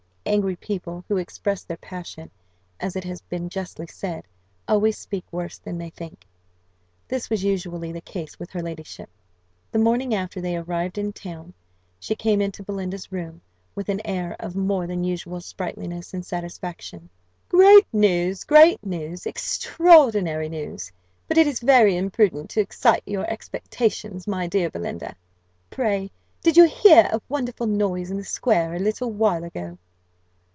Angry people, who express their passion, as it has been justly said, always speak worse than they think. This was usually the case with her ladyship. The morning after they arrived in town, she came into Belinda's room, with an air of more than usual sprightliness and satisfaction. "Great news! Great news! Extraordinary news! But it is very imprudent to excite your expectations, my dear Belinda. Pray, did you hear a wonderful noise in the square a little while ago?"